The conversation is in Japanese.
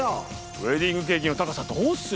ウエディングケーキの高さどうする？